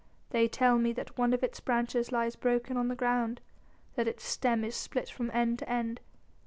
They tell me that one of its branches lies broken on the ground, that its stem is split from end to end.